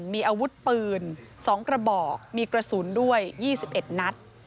มีอาวุธปืน๒กระบอกมีกระสุนด้วย๒๑นัด